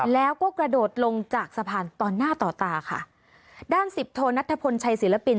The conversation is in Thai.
แล้วก็กระโดดลงจากสะพานตอนหน้าต่อตาค่ะด้านสิบโทนัทธพลชัยศิลปิน